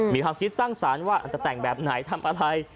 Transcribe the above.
มีความคิดสร้างสรรค์ว่าอาจจะแต่งแบบไหนทำอะไร